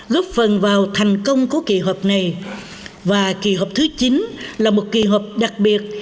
góp phần vào thành công của kỳ họp này và kỳ họp thứ chín là một kỳ họp đặc biệt